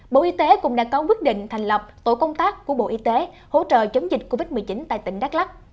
bộ y tế cũng đã có quyết định thành lập tổ công tác của bộ y tế hỗ trợ chống dịch covid một mươi chín tại tỉnh đắk lắc